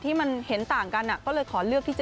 ที่มันเห็นต่างกันก็เลยขอเลือกที่จะ